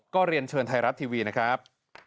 ก็เรียนเชิญไทยรัฐทีวีนะครับ